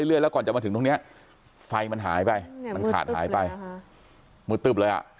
เรื่อยแล้วก่อนจะมาถึงตรงนี้ไฟมันหายไปมืดตืบเลยอ่ะ